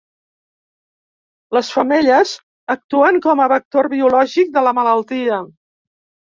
Les femelles actuen com a vector biològic de la malaltia.